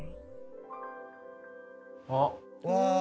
あっ。